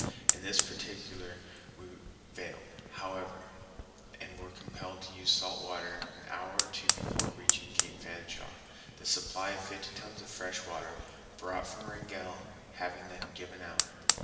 In this particular we failed, however, and were compelled to use salt water an hour or two before reaching Cape Fanshawe, the supply of fifty tons of fresh water brought from Wrangell having then given out.